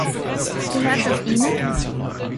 Gehört das Ihnen?